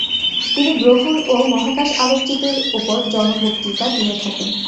তিনি গ্রহণ ও মহাকাশ আলোকচিত্রের উপর জন বক্তৃতা দিয়ে থাকেন।